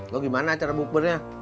lo gimana acara bukbernya